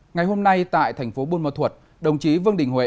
ngày hôm nay tại thành phố buôn mơ thuật đồng chí vương đình huệ